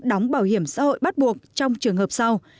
đóng bảo hiểm xã hội bắt buộc trong trường hợp sau